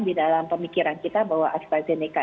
di dalam pemikiran kita bahwa astrazeneca